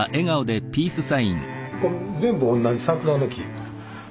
これ全部同じ桜の木。